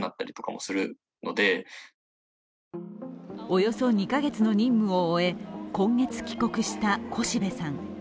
およそ２カ月の任務を終え今月帰国した越部さん。